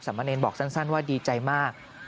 สำเนินบอกสั้นว่าดีใจมาก